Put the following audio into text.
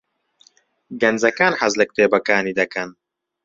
گەنجەکان حەز لە کتێبەکانی دەکەن.